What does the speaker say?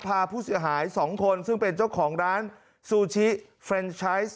พาผู้เสียหาย๒คนซึ่งเป็นเจ้าของร้านซูชิเฟรนชัย